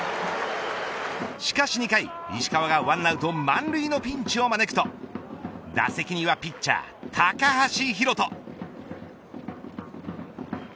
しかし２回石川が１アウト満塁のピンチを招くと打席にはピッチャーは高橋宏斗。